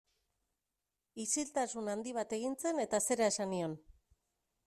Isiltasun handi bat egin zen eta zera esan nion.